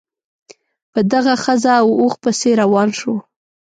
په دغه ښځه او اوښ پسې روان شو.